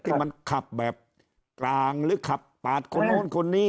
ที่มันขับแบบกลางหรือขับผ่านนี้